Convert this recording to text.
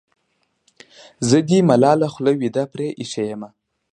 زه دې ملاله خوله وېده پرې اېښې یمه.